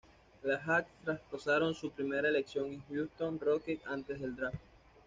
Los Hawks traspasaron su primera elección a Houston Rockets antes del draft.